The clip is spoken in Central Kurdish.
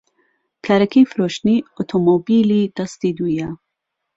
کارەکەی فرۆشتنی ئۆتۆمۆبیلی دەستی دوویە.